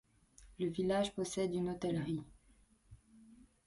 Le village possède une hostellerie.